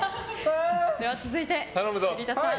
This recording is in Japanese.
続いて栗田さん。